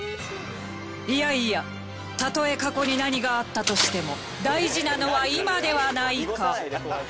いやいやたとえ過去に何があったとしても大事なのは今ではないか！